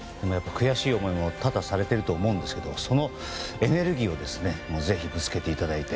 悔しい思いも多々されていると思うんですけどそのエネルギーをぜひ、ぶつけていただいて。